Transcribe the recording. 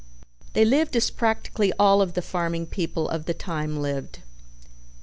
They lived as practically all of the farming people of the time lived.